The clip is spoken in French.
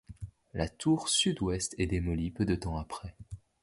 La tour sud-ouest est démolie peu de temps après.